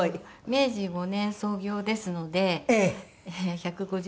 明治５年創業ですので１５０周年になります。